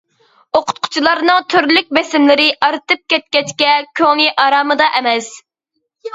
ئوقۇتقۇچىلارنىڭ تۈرلۈك بېسىملىرى ئارتىپ كەتكەچكە كۆڭلى ئارامىدا ئەمەس.